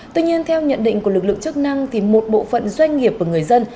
tuy nhiên theo nhận định của lực lượng chức năng thì một bộ phận doanh nghiệp của người dân